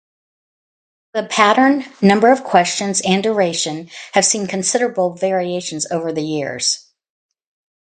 The pattern, number of questions and duration have seen considerable variations over the years.